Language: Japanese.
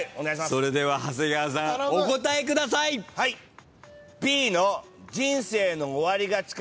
それでは長谷川さんお答えください。え！